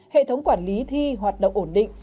hệ thống quản lý thi hoạt động ổn định